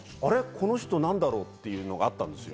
この人なんだろうっていうのがあったんですよ。